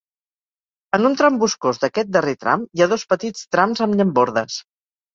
En un tram boscós d'aquest darrer tram hi ha dos petits trams amb llambordes.